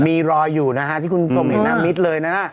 มีรอยอยู่นะฮะที่คุณส่งเห็นน่ะมิดเลยนะ